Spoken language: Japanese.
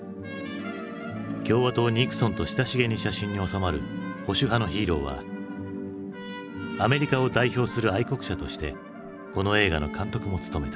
共和党ニクソンと親しげに写真に納まる保守派のヒーローはアメリカを代表する愛国者としてこの映画の監督も務めた。